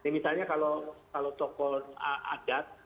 misalnya kalau tokoh adat